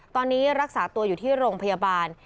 ตอนนี้รักษาตัวอยู่ที่โรงพยาบาล